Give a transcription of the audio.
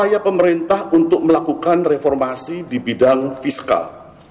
upaya pemerintah untuk melakukan reformasi di bidang fiskal